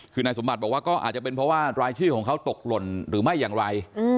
คือนายสมบัติบอกว่าก็อาจจะเป็นเพราะว่ารายชื่อของเขาตกหล่นหรือไม่อย่างไร